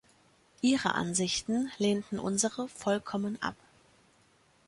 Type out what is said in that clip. Ihre Ansichten lehnten unsere vollkommen ab.